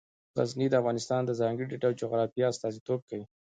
غزني د افغانستان د ځانګړي ډول جغرافیه استازیتوب کوي.